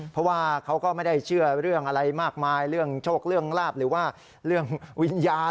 เพราะว่าเขาก็ไม่ได้เชื่อเรื่องอะไรมากมายเรื่องโชคเรื่องลาบหรือว่าเรื่องวิญญาณ